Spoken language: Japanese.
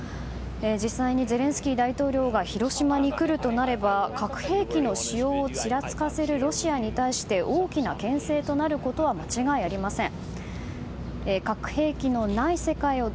実際にゼレンスキー大統領が広島に来るとなれば核兵器の使用をちらつかせるロシアに対して大きな牽制となることは間違いありません。